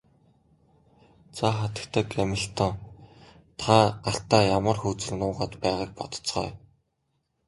За хатагтай Гамильтон та гартаа ямар хөзөр нуугаад байгааг бодоцгооё.